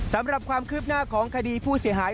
สำหรับความคืบหน้าของคดีผู้เสียหาย